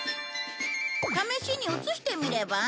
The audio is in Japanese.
試しに映してみれば？